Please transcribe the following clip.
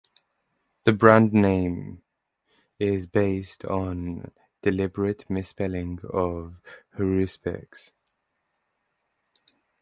The band's name is based on a deliberate misspelling of "haruspex".